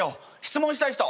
質問したい人！